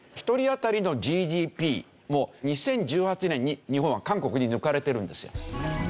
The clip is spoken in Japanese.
１人当たりのＧＤＰも２０１８年に日本は韓国に抜かれてるんですよ。